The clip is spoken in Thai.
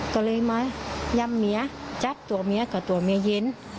ก็เลยมาย่ำเมียจับตัวเมียกับตัวเมียเย็น